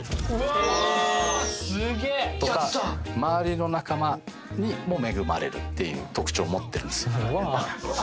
すげえ！とか周りの仲間にも恵まれるっていう特徴を持ってるんですよ。